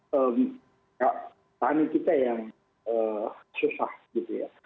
tak tahanin kita yang susah gitu ya